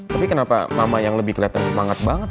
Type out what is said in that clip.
tapi kenapa mama yang lebih kelihatan semangat banget